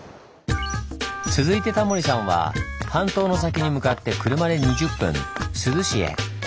続いてタモリさんは半島の先に向かって車で２０分珠洲市へ。